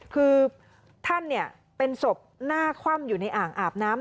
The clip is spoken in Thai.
คือท่านเป็นศพหน้าคว่ำอยู่ในอ่างอาบน้ำ